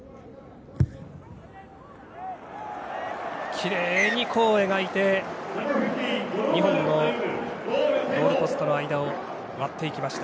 きれいに弧を描いて２本のゴールポストの間を割っていきました。